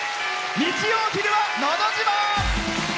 日曜昼は「のど自慢」。